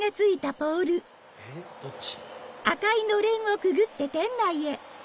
えっ？どっち？